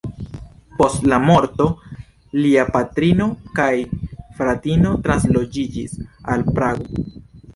Post la morto, lia patrino kaj fratino transloĝiĝis al Prago.